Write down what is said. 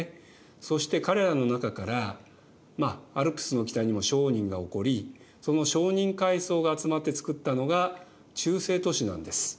そして彼らの中からまあアルプスの北にも商人がおこりその商人階層が集まって作ったのが中世都市なんです。